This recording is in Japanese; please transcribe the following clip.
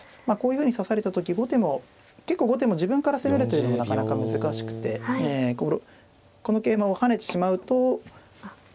まあこういうふうに指された時後手も結構後手も自分から攻めるというのもなかなか難しくてこの桂馬を跳ねてしまうと。